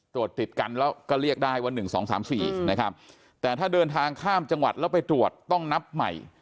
ตรวจติดกันแล้วก็เรียกได้ว่า๑๒๓๔นะครับแต่ถ้าเดินทางข้ามจังหวัดแล้วไปตรวจต้องนับใหม่